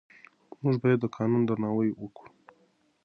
موږ باید د قانون درناوی وکړو.